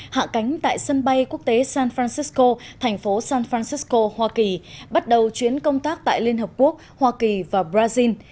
hạ cánh tại sân bay quốc tế san francisco thành phố san francisco hoa kỳ bắt đầu chuyến công tác tại liên hợp quốc hoa kỳ và brazil